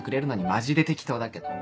マジで適当だけど。